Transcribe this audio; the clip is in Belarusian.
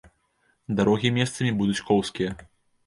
Дарогі месцамі будуць коўзкія.